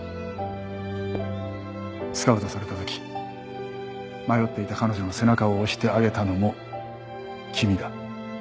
スカウトされた時迷っていた彼女の背中を押してあげたのも君だ。